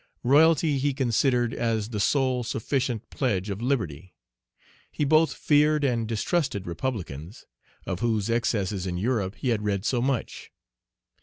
Royalty he considered as the sole sufficient pledge of liberty. He both feared and distrusted republicans, of whose excesses in Europe he had read so much.